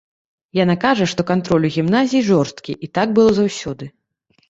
Яна кажа, што кантроль у гімназіі жорсткі, і так было заўсёды.